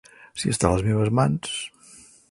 Si està a les meves mans...